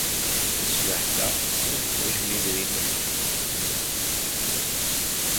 Taswiɛt-a, ur teḥwajemt idrimen.